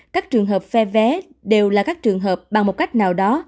các trường hợp phe vé đều là các trường hợp bằng một cách nào đó